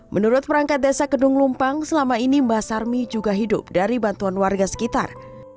menurut perangkat desa kedung lumpang selama ini mbak sarmi juga hidup dari bantuan warga sekitar